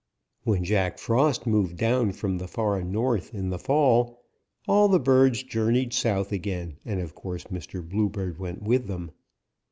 "When Jack Frost moved down from the far North in the fall, all the birds journeyed south again, and of course Mr. Bluebird went with them.